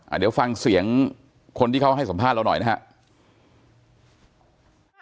เดี๋ยวฟังเสียงคนที่เขาให้สัมภาษณ์เราหน่อยนะครับ